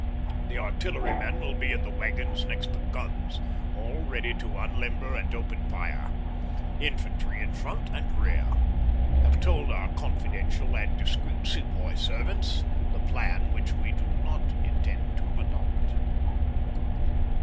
The artillerymen will be in the waggons next the guns, all ready to unlimber and open fire. Infantry in front and rear. Have told our confidential and discreet Sepoy servants the plan which we do not intend to adopt.